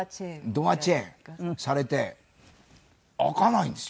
ドアチェーンされて開かないんですよ。